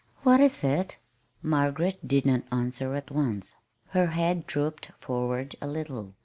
"What is it?" Margaret did not answer at once. Her head drooped forward a little.